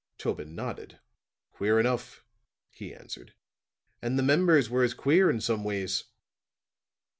Tobin nodded. "Queer enough," he answered, "and the members was as queer in some ways.